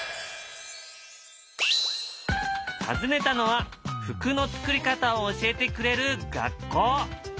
訪ねたのは服の作り方を教えてくれる学校。